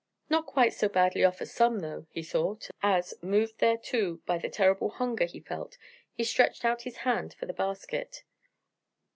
"Not quite so badly off as some, though," he thought, as, moved thereto by the terrible hunger he felt, he stretched out his hand for the basket.